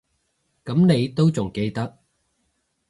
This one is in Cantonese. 噉你都仲記得